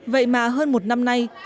vậy mà hơn một năm nay